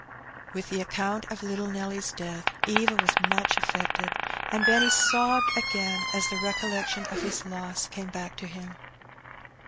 With the account of little Nelly's death Eva was much affected, and Benny sobbed again as the recollection of his loss came back to him.